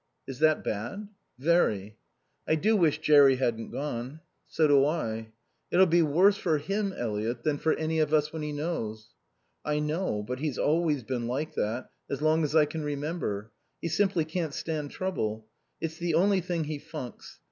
"Is that bad?" "Very." "I do wish Jerry hadn't gone." "So do I." "It'll be worse for him, Eliot, than for any of us when he knows." "I know. But he's always been like that, as long as I can remember. He simply can't stand trouble. It's the only thing he funks.